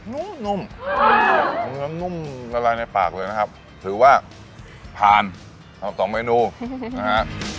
นุ่มนุ่มเนื้อนุ่มละลายในปากเลยนะครับถือว่าผ่านเอาสองเมนูนะฮะ